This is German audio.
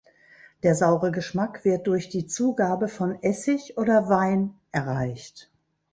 Der saure Geschmack wird durch die Zugabe von Essig oder Wein erreicht.